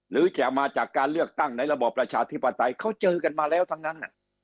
หรือจะมาจากการเลือกตั้งในระบอบประชาธิปไตยเขาเจอกันมาแล้วทั้งนั้น